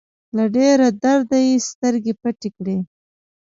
له ډېره درده يې سترګې پټې کړې.